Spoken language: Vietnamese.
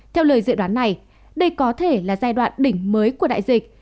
theo lời dự đoán này đây có thể là giai đoạn đỉnh mới của đại dịch